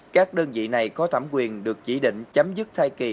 các đơn vị này có thẩm quyền được chỉ định chấm dứt thai kỳ